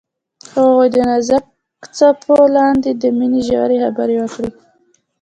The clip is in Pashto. هغوی د نازک څپو لاندې د مینې ژورې خبرې وکړې.